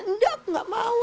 nggak aku nggak mau